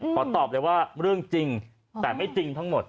ขอตอบเลยว่าเรื่องจริงแต่ไม่จริงทั้งหมด